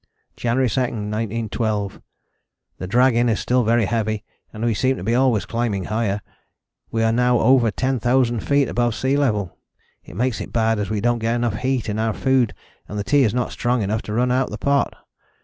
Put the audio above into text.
January 2, 1912. The dragging is still very heavy and we seem to be always climbing higher. We are now over 10,000 feet above sea level. It makes it bad as we don't get enough heat in our food and the tea is not strong enough to run out of the pot.